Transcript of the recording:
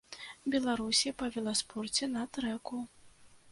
Беларусі па веласпорце на трэку.